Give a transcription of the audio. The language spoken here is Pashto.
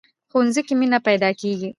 ښوونځی کې مینه پيداکېږي